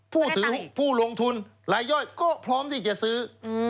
ผู้ถือผู้ลงทุนหลายย่อยก็พร้อมที่จะซื้อ